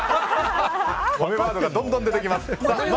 褒めワードがどんどん出てきます。